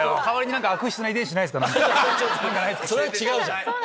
それは違うじゃん！